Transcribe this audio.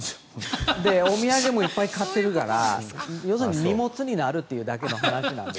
お土産もいっぱい買ってるから要するに荷物になるというだけの話なんです。